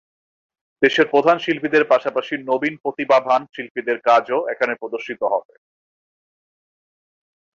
দেশের প্রধান শিল্পীদের পাশাপাশি নবীন প্রতিভাবান শিল্পীদের কাজও এখানে প্রদর্শিত হবে।